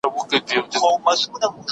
که هندسه وي نو تعمیر نه کږیږي.